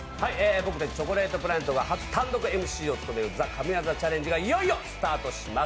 僕たちチョコレートプラネットが初単独ＭＣを務める「ＴＨＥ神業チャレンジ」がいよいよスタートします。